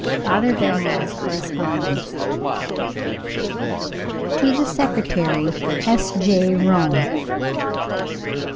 FATHER BENWELL'S CORRESPONDENCE. _To the Secretary, S. J., Rome.